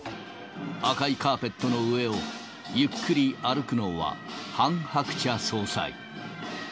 赤いカーペットの上をゆっくり歩くのは、ハン・ハクチャ総裁。